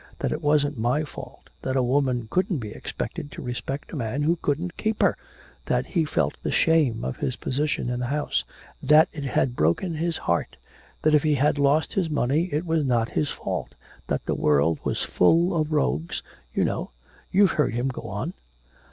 That it wasn't my fault, that a woman couldn't be expected to respect a man who couldn't keep her, that he felt the shame of his position in the house, that it had broken his heart, that if he had lost his money it was not his fault, that the world was full of rogues, you know you've heard him go on.'